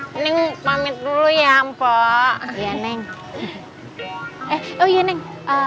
mending pamit dulu ya mpok ya neng eh oh iya neng